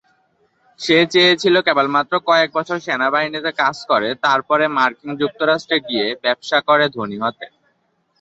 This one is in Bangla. সে চেয়েছিল কেবলমাত্র কয়েক বছর সেনাবাহিনীতে কাজ করে, তারপরে মার্কিন যুক্তরাষ্ট্রে গিয়ে, ব্যবসা করে ধনী হতে।